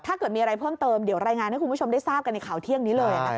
ถ้าเกิดมีอะไรเพิ่มเติมเดี๋ยวรายงานให้คุณผู้ชมได้ทราบกันในข่าวเที่ยงนี้เลย